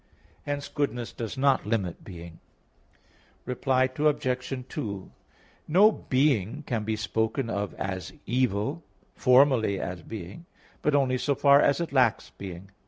Hence goodness does not limit being. Reply Obj. 2: No being can be spoken of as evil, formally as being, but only so far as it lacks being.